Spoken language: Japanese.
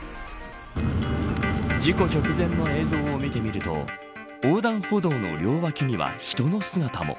事故直前の映像を見てみると横断歩道の両脇には人の姿も。